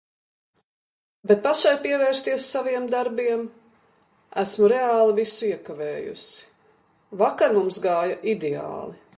Bet pašai pievērsties saviem darbiem. Esmu reāli visu iekavējusi. Vakar mums gāja ideāli!